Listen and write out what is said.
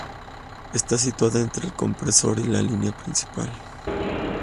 Está situada entre el compresor y la línea principal.